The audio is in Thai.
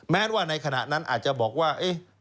แม้ว่าในขณะนั้นอาจจะบอกว่า